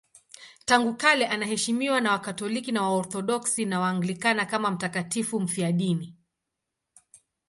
Tangu kale anaheshimiwa na Wakatoliki, Waorthodoksi na Waanglikana kama mtakatifu mfiadini.